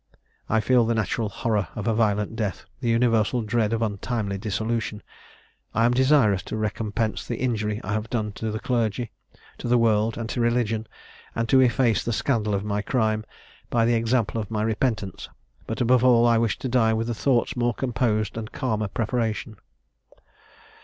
I feel the natural horror of a violent death, the universal dread of untimely dissolution. I am desirous to recompense the injury I have done to the clergy, to the world, and to religion, and to efface the scandal of my crime, by the example of my repentance: but, above all, I wish to die with thoughts more composed, and calmer preparation.